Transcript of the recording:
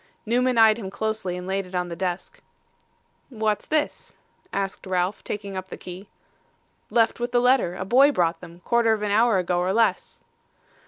Newman eyed him closely, and laid it on the desk. 'What's this?' asked Ralph, taking up the key. 'Left with the letter; a boy brought them quarter of an hour ago, or less.